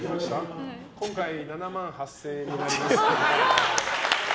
今回７万８０００円になります。